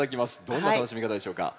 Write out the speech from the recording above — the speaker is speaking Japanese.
どんな楽しみ方でしょうか？